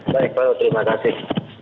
baik pak terima kasih